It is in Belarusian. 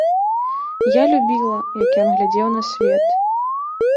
Я любіла, як ён глядзеў на свет.